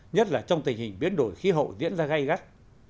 nhất là trong tình hình biến đổi khí hậu diễn ra gây gắt